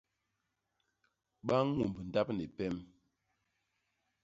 Ba ñumb ndap ni pem.